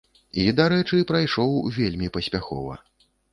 І, дарэчы, прайшоў вельмі паспяхова.